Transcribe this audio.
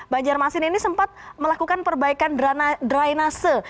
banjarmasin ini sempat melakukan perbaikan drainase